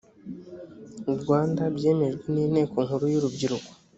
rwanda byemejwe n inteko nkuru yurubyiruko